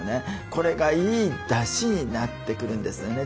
これがいいだしになってくるんですよね